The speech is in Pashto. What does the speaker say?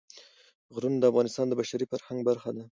غرونه د افغانستان د بشري فرهنګ برخه ده.